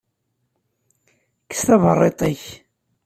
Kkes taberriḍt-ik.